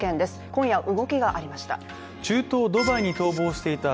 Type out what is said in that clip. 今夜、動きがありました。